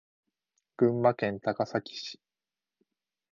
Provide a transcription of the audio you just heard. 群馬県高崎市